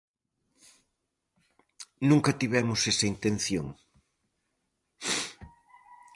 Nunca tivemos esa intención.